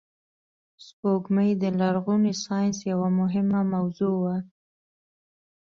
سپوږمۍ د لرغوني ساینس یوه مهمه موضوع وه